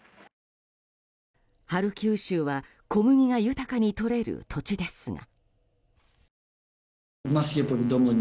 ハルキウ州は小麦が豊かにとれる土地ですが。